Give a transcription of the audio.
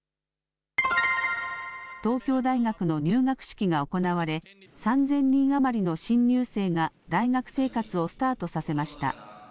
東京大学の入学式が行われ、３０００人余りの新入生が大学生活をスタートさせました。